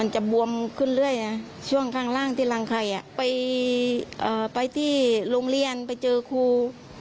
ช่วงข้างล่างที่รางไข่ไปที่โรงเรียนเพื่อเจอครู